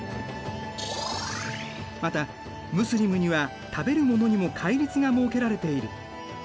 またムスリムには食べるものにも戒律が設けられている。